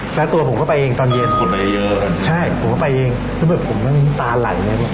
แล้วตัวผมก็ไปเองตอนเย็นคนไปเยอะใช่ผมก็ไปเองแล้วแบบผมน้ำตาไหลเลยเนี้ย